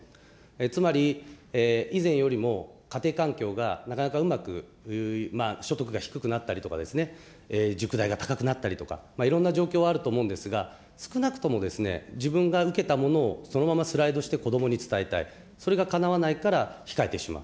つまり以前よりも家庭環境がなかなかうまく、所得が低くなったりとか、塾代が高くなったりとか、いろんな状況あると思うんですが、少なくとも自分が受けたものをそのままスライドして子どもに伝えたい、それがかなわないから控えてしまう。